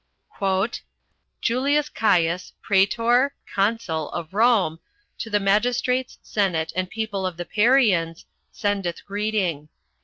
"Julius Caius, praetor [consul] of Rome, to the magistrates, senate, and people of the Parians, sendeth greeting.